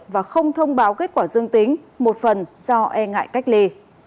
và không thông báo kết quả dương tính một phần do e ngại cách ly